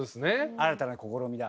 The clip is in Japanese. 新たな試みだ。